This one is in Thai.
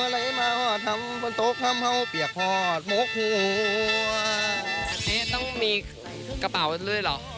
เอ๊ะต้องมีกระเป๋าด้วยเหรอ